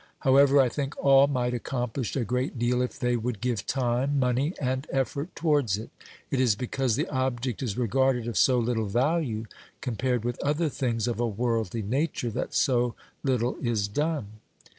However, I think all might accomplish a great deal if they would give time, money, and effort towards it. It is because the object is regarded of so little value, compared with other things of a worldly nature, that so little is done."